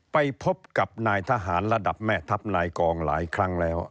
ไปพบกับนายทหารระดับแม่ทัพนายกองหลายครั้งแล้ว